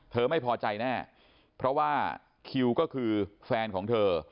เธอไม่พอใจแน่เพราะว่าคิวก็คือแฟนของเธอ